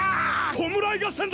弔い合戦だ！